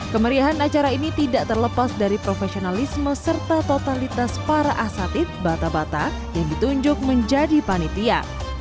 kemerihan acara ini tidak terlepas dari profesionalisme serta totalitas para asatid bata bata yang ditunjuk menjadi panitia